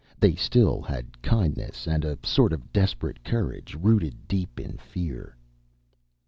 They still had kindness and a sort of desperate courage rooted deep in fear.